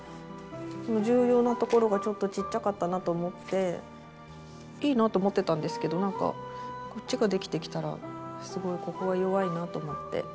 重要なところがちょっとちっちゃかったなと思っていいなと思ってたんですけどなんかこっちができてきたらすごいここが弱いなと思って。